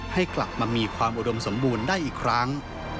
ให้กลับมามีความอุดมสมบูรณ์ได้อีกครั้ง